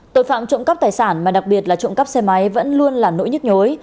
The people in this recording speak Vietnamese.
tội phạm trộm cắp tài sản mà đặc biệt là trộm cắp xe máy vẫn luôn là nỗi nhức nhối